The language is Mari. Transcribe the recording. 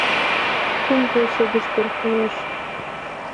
— Кум кече гыч пӧртылеш.